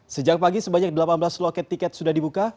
sejak pagi sebanyak delapan belas loket tiket sudah dibuka